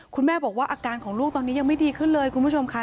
คุณแม่บอกว่าอาการของลูกตอนนี้ยังไม่ดีขึ้นเลยคุณผู้ชมค่ะ